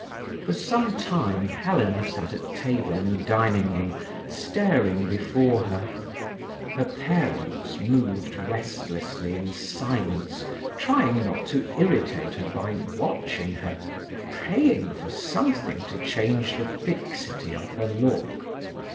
For some time Helena sat at table in the dining room staring before her. Her parents moved restlessly in silence, trying not to irritate her by watching her, praying for something to change the fixity of her look.